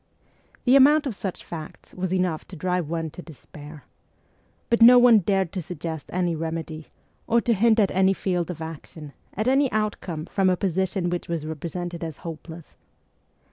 The amount of such facts was enough to drive one to despair. But no one dared to suggest any remedy, or to hint at any field of action, at any outcome from a position which was represented as hopeless.